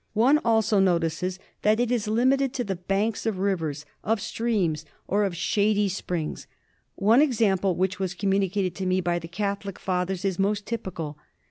One also notices that it is limited to the banks of rivers, of streams, or of shady THE SLEEPING SICKNESS. 129 springs. One example which was communicated to me by the Catholic Fathers is most typical.